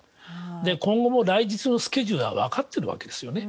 今後も来日のスケジュールは分かっているわけですよね。